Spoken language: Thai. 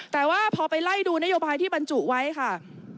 แต่ว่าพอไปไล่ดูนโยบายที่บรรจุไว้ค่ะ